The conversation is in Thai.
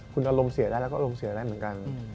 คุณอารมณ์เสียได้แล้วก็อารมณ์เสียได้เหมือนกัน